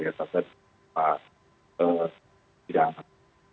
ya saat saat persidangan